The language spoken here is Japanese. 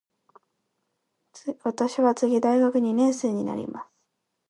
私は次大学二年生になります。